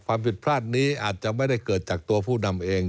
ความผิดพลาดนี้อาจจะไม่ได้เกิดจากตัวผู้นำเอง